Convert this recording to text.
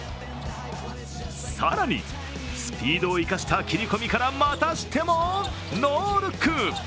更に、スピードを生かした切り込みからまたしても、ノールック。